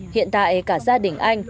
hiện tại cả gia đình anh